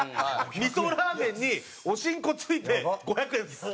みそラーメンにお新香付いて５００円です。